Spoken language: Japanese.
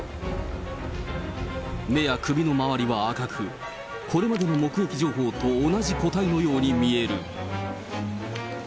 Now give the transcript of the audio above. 目や首の回りは赤く、これまでの目撃情報と同じ個体のように見える。